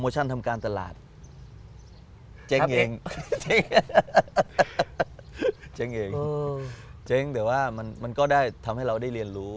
เจ๊งเองเจ๊งเองเจ๊งแต่ว่ามันก็ได้ทำให้เราได้เรียนรู้